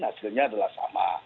hasilnya adalah sama